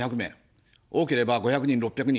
多ければ５００人、６００人。